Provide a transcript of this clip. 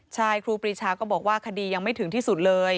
ใช่ครูปรีชาก็บอกว่าคดียังไม่ถึงที่สุดเลย